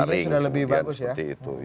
anti modi sudah lebih bagus ya